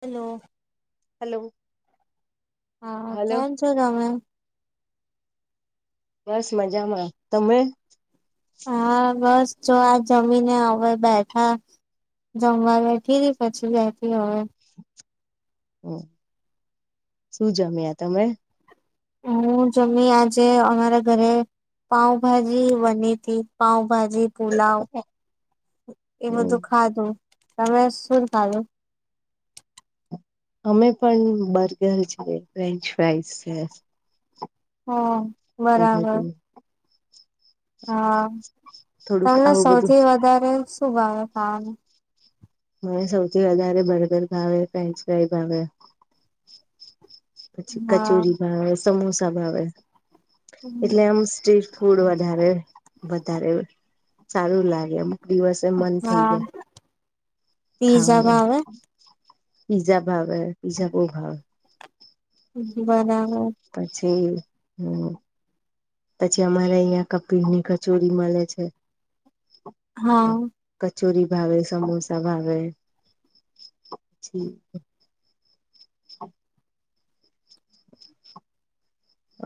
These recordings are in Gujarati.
હેલો. હલો. હા હલો કેમ છો તમે? બસ મજામાં તમે? હા બસ જો આ જમીને હવે બેઠા. જમવા બેઠી પછી બેઠી હવે. હ શું જમ્યા તમે? હું જમી આજે અમારા ઘરે પાઉભાજી બની તી. પાઉભાજી પુલાવ એ હમ બધું ખાધું. તમે શું ખાધુ? અમે પણ બર્ગર છે ફ્રેન્ચ ફાઈ છે. હા એ ભાઈ બરાબર ત [inaudible] [unintelligible] [unintelligible] હા તમને બધું સૌથી વધારે શું ભાવે ખાવાનું? મને સૌથી વધારે બર્ગર ભાવે, ફ્રેન્ચ ફ્રાય ભાવે પછી હા. કચોરી ભાવે સમોસા ભાવે એટલે આમ સ્ટ્રીફ થોડું વધારે વધારે સારું લાગે અમુક દિવસે મન થઈ હા જાય. પીઝા ખાવાનું ભાવે પીઝા ભાવે પીઝા બ‌ઉ ભાવે. બરાબર પછી હમ પછી અમારે અહિયાં કપિલ ની કચોરી મળે છે. હા કચોરી ભાવે સમોસા ભાવે.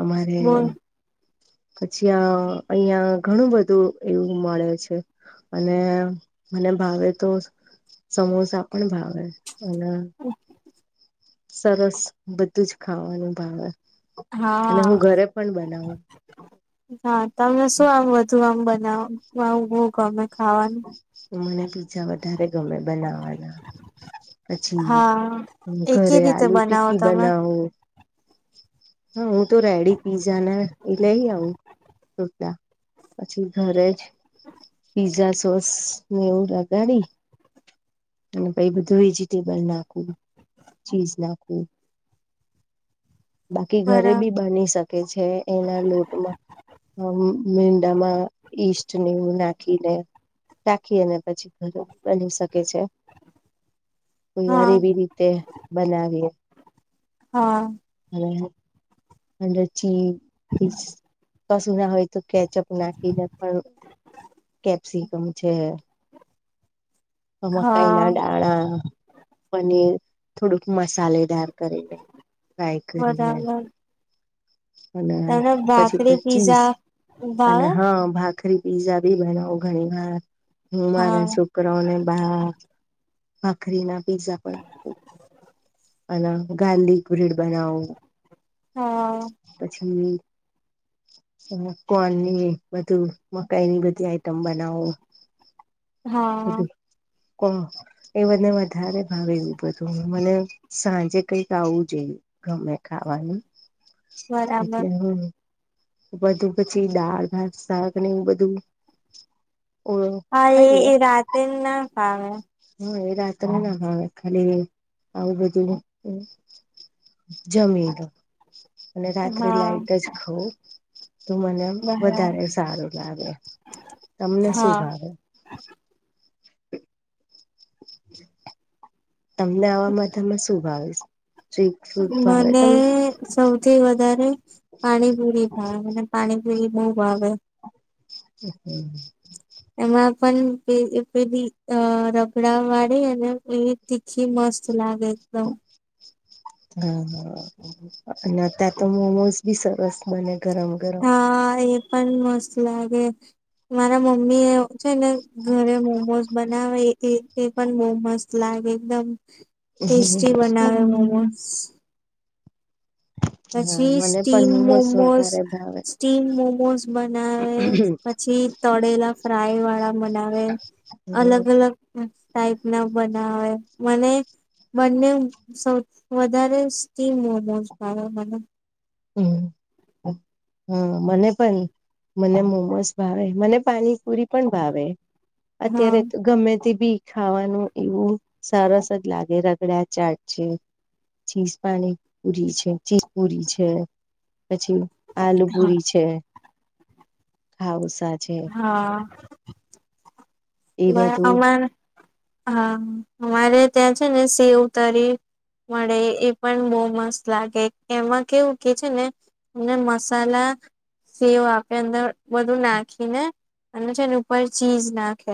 અમારે બોલ પછી અ અહિયાં ઘણું બધું એવું મળે છે. અને મને ભાવે તો સમોસા પણ ભાવે અને હમ [unintelligible] [inaudible] સરસ બધું જ ખાવાનું ભાવે અને હા. હું ઘરે પણ બનાવું. હા તમને શું આમ વધુ આમ બનાવુ આમ બ‌ઉ ગમે ખાવાનું. મને પીઝા વધારે ગમે બનાવાના. પછી હા એ કે ઘરે રીતે આલુ બનાવો ટિક્કી તમે બનાવું. હા હું તો રેડી પીઝા ના એ લઈ આવું. પછી ઘરે જ પીઝા સોસ ને એવું લગાડી. અને બધું વેજીિટેબલ નાખવું ચીઝ નાખવું. બાકી ઘરે બરાબર બી બાની શકે છે એના લોટમાં. હ મીંડામાં ઈસ્ટ નેવું નાખીને. રાખી અને પછી ઘર બની શકે છે. કોઈ વાર હા એવી રીતે બનાવીએ. હા. [unintelligible] અને ચી કશું ના હોય તો કેચઅપ નાખીને પણ. કેપ્સીિકમ છે મકાઈ હા ના દાણા પનીર. થોડુંક મસાલેદાર કરીને ફ્રાય કરીને. બરાબર અને તમને ભાખરી પછી ચીસ પીઝા અને ભાવે હા ભાખરી. પિઝા ભી બનાવ ઘણી વાર હવાર હા છોકરો અને. ભખરી ના પીઝા પણ હલા ગાર્લિક બ્રેડ બનાવો હા. પછી કોનની બધું મકાઈની બધી આઈટમ બનાવો હા કોણ એ બધને વધારે ભાવે એવું બધું હું મને સાંજે કઈક આવું જોઈએ. ગમે ખાવાનું બરાબર એટલે હ બધું પછી દાળ ભાત શાક ને એવું બધું ઓ હા એ ખાઈએ એ રાતે ના પાાવે. હા એ રાત ને ના હવે ખાલી આવું બધું જમી લો અને રાત્રે હા લાઈટ જ ખઉં તો મને બરાબર વધારે સારું લાગે તમને શું હા ભાવે [unintelligible] તમને આવા મથામાં શું ભાવીશ મને સૌ થી વધારે પાણીપુરી ભાવે મને પાણીપુરી બહુ ભાવે. હમ્મ એમાં પણ પેલી રગડા વાળે અને પ તીખી મસ્ત લાગે એકદમ હા અને ત્યાં તો મોમોઝ બી સરસ મને ગરમ ગરમ હા એ પણ મસ્ત લાગે મારા મમ્મી એ છે ને ઘરે મોમોસ બનાવે પણ મોમોઝ લાગે એકદમ ટેસ્ટી હા બનાવે મને પછી મને પણ સ્ટીમ મોમોસ મોમોઝ વધારે ભાવે સ્ટીમ મોમોઝ બનાવે પછી તળેલા ફ્રાય વાળા બનાવે અલગ અલગ ટઇપ ના બનાવે મને બને સૌ વધારે સીમ મોમો ભાવે મને હમ્મ હા મને પણ મને મોમોસ ભાવે મને પાણીપુરી પણ ભાવે હા અત્યારે તો ગમે તે બી ખાવાનું એવું સરસ જ લાગે રગડા ચાટ છે ચીઝ પાણી પુરી છે ચીજ પુરી છે. પછી આલુ પુરી છે ખઉસા છે. હા. એ બ બધું અમારે હા અમારે ત્યાં છે ને સેવ તરીફ મળે એ પણ બહુ મસ્ત લાગે એમાં કેવું કે છે ને અને મસાલા સેવ આપે અંદર બધું નાખીને અને છે એની ઉપર ચીઝ નાખે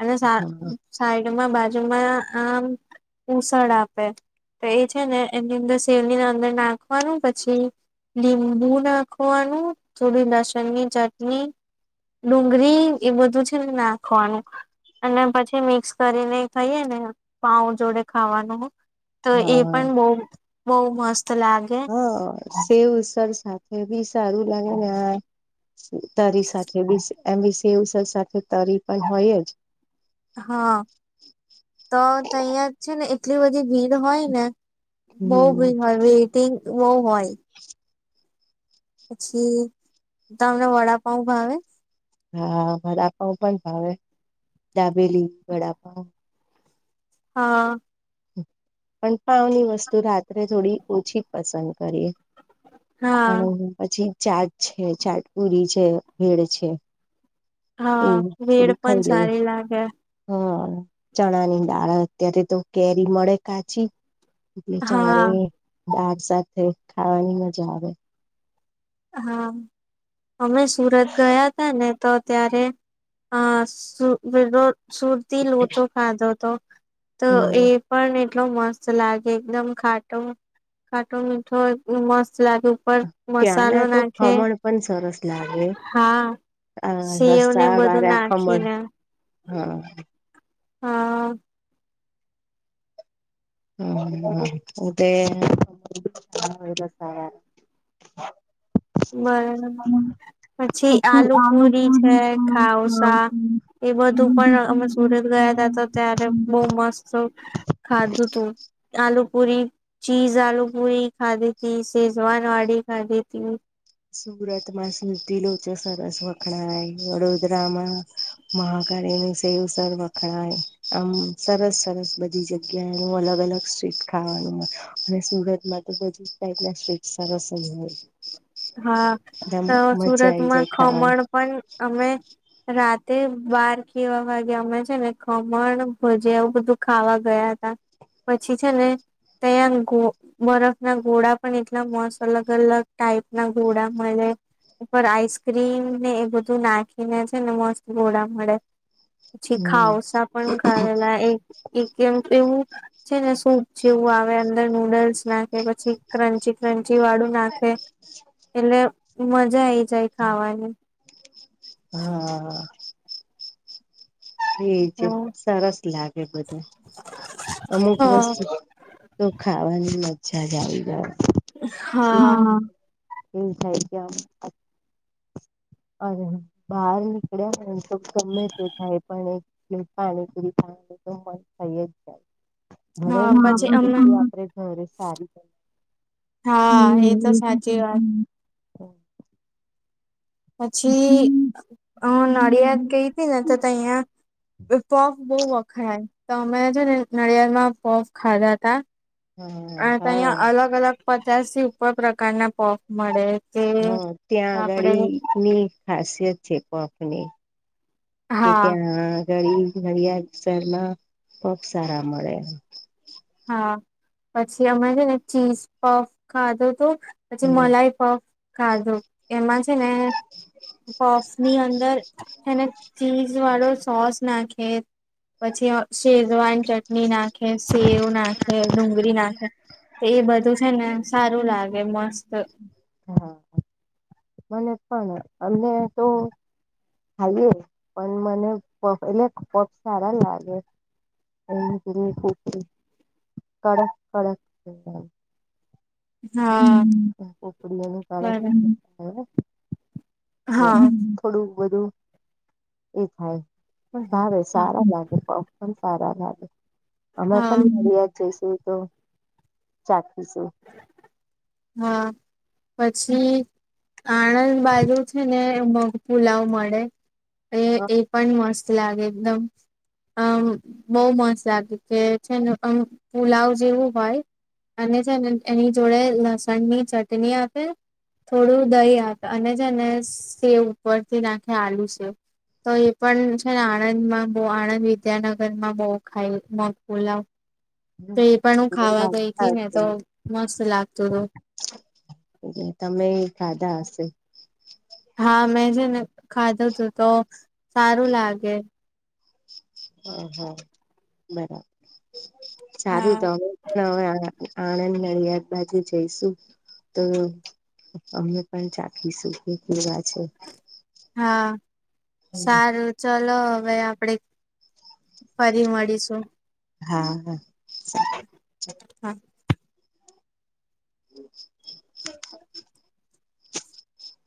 અને હા સાઈડમાં બાજુમાં આમ ઉસળ આપે તો એ છે ને એની અંદર શેરણીને અંદર નાખવાનું પછી લીંબુ નાખવાનું થોડું લસણની ચટણી ડુંગળી એ બધું છે ને નાખવાનું અને પછી મિક્સ કરીને થઈએ ને પાઉ જોડે ખાવાનું તો એ પણ હા બહ બહુ મસ્ત લાગે હા સેવ સર સાથે બી સારું લાગે ને હા તરી સાથે એમ બ સેવસર સાથે તરી પણ હોય જ હા તો અહં છે ને એટલી બધી ભીડ હોય ને બહુ હમ બી હોય વેઇટિંગ બહુ હોય પછી તમને વડાપાઉ ભાવે હા વડાપાઉ પણ ભાવે ડાબેલી વડાપા હા પણ પાવની વસ્તુ રાત્રે થોડી ઓછી પસંદ કરીએ હા પણ હ પછી ચાટ છે ચાટ પુરી છે ભેડ છે હા એવું ભેડ પણ સારી લાગે હમ ચણા ની દાળ અત્યારે તો કેરી મળે કાચી હા ચણાની દાળ સાથે ખાવાની મજા આવે હા અમે સુરત ગયા હતા ને તો ત્યારે અ [inaudible] સુરતી લોચો ખાધો હતો તો એ હમ પણ એટલો મસ્ત લાગે એકદમ ખાટો ખાટો મીઠો મસ્ત લાગે પર મસ નાના તો ખમણ પણ સરસ લાગે હા હ સેવ ને રસ્સા બધું વાળા ખમણ નાખીને હા હા હમ [inaudible] [unintelligible] બરાબર પછી આલુ પુરી છે આલુપુરી છે ખાઉસા એ બધું પણ અમે સુરત ગયા ત તો ત્યારે બહુ મસ્ત સૌ ખાધું તું આલુ પૂરી ચીઝ આલુ પૂરી ખાધી તી શેઝવાન વાડી ખાધી હતી સુરતમાં સુરતી લોચો સરસ વખણાય વડોદરામાં મહાકાળ એનું સેવ સર વખણાય આમ સરસ સરસ બધી જગ્યા જગ્યા ન અલગ અલગ સ્ટ્રીટ ખાવાનું હોય અને સુરતમાં તો બધી જ ટાઈપ ના સ્ટ્રીટ સરસજ હોય હા તો મજા આઈ સુરતમાં જાય ખાવાની ખમણ પણ અમે રાતે બાર કે એવા વાગે અમે છે ને ખમણ ભજીયા એવું બધું ખાવા ગયા હતા પછી છે ને ત્યાં ગો બરફ ના ઘોડા પણ એટલા મસ્ત અલગ અલગ ટાઈપ ના ગોડા મળે ઉપર આઈસક્રીમ ને એ બધું નાખીને છે ને મસ્ત ગોળા મળે પછી ખાઉસા પણ ખાધેલા એક એમ તો એવું છે ને સૂપ જેવું આવે અંદર નૂડલ્સ નાખે પછી ક્રંચી ક્રંચી વાળું નાખે એટલે મજા આઈ જાય ખાવાની હા હા એજ હા સરસ લાગે બધા અમુક વસ્તુ. તો ખાવાની મજા જ આવી જ જાય શું હા હ. એવું થાય કે. અ બહાર નીકળ્યા તો ગમે તે થાય પણ પાણીપુરી પા. તો મ થઈ જ જાય. ઘરે હા પછી અમે આપે [inaudible] ઘરે સારી હા એ તો સાચી વાત હમ [unintelligible] પછી હમ અ નડિયાદ ગઈ હતી ને તો અહિયાં પોપ બહુ વખરાય તો અમે છે ને નડિયાદ માં પોફ ખાધા તા. અ હા હા તહીંયા અલગ અલગ પચાસ થી ઉપર પ્રકારના પોફ મળે કે આપડે ની ખાસિયત છે પફની કે હા ત્યાં ઘરી ઘરિયાળ શહેરમાં પફ સારા મળે. હા પછી અમે છે ને ચીઝ પફ ખાધો તો પછી હમ. મલાઈ પફ ખાધુ એમાં છે ને પફ ની અંદર એને ચીઝ વાળો સોસ નાખે. પછી શેજવાન ચટણી નાખે સેવ નાખે ડુંગળી નાખે તો એ બધું છે, ને સારું લાગે મસ્ત હા. મને પણ અમને તો ખાઈએ પણ મને પફ એટલે પફ સારા લાગે. [inaudible] હા [unintelligible] હ થોડું બધું બરા હા એ થાય પણ ભાવે સારા લાગે પફ પણ સારા લાગે. અમે હા પણ નડીયાદ જઈશું તો ચખીશું. હા પછી આણંદ બાજુ છે, ને મગ પુલાવ મળે એ એ પણ મસ્ત લાગે એકદમ અમ બહુ મસ્ત લાગે કે છેને અમ પુલાવ જેવું હોય. અને છેને એની જોડે લસણ ની ચટણી આપે થોડું દહી આપે અને જેને સેવ ઉપરથી નાખે આલુ સેવ. તો એ પણ છે ને આણંદમાં બહુ આણંદ વિદ્યાનગરમાં બહુ ખાઈ મગ પુલાવ. તો એ પણ હું ખાવા ગઈ હતી ને તો મસ્ત લાગતું હતું. એ તમે ખાધા હશે. હા મેં છે ને ખાધું તું તો સારું લાગે. ઓહ બરાબર સારું હા તો હું હવે આણ આણંદ નડિયાદ બાજુ જઈશું. તો અમે પણ ચાખીશું કે કેવા છે. હા સારું ચલો હવે આપડે ફરી મળીશું. હા હા. [unintelligible] હા. [inaudible]